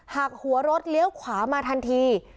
หักหัวรถเลี้ยวขวามาทันที